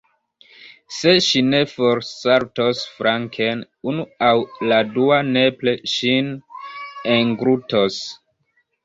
Se ŝi ne forsaltos flanken, unu aŭ la dua nepre ŝin englutos.